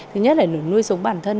thứ nhất là để nuôi sống bản thân